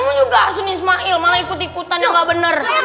mau juga suni ismail malah ikut ikutan yang gak bener